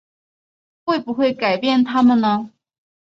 会不会改变他们呢？